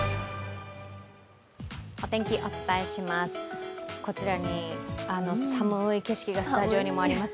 お天気、お伝えします。